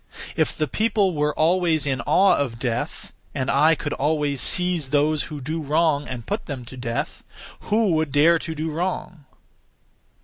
If the people were always in awe of death, and I could always seize those who do wrong, and put them to death, who would dare to do wrong?